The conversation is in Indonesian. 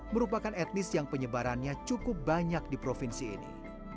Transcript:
merupakan etnis yang penyebarannya cukup banyak di provinsi ini